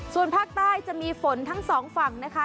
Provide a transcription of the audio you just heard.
ส่วนภาคใต้จะมีฝนทั้งสองฝั่งนะคะ